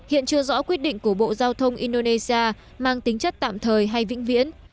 hiện chưa rõ quyết định của bộ giao thông indonesia mang tính chất tạm thời hay vĩnh viễn